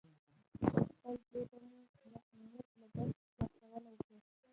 له خپل جېبه مو د امنیت لګښت ورکولای شوای.